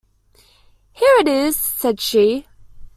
“Here it is!” said she.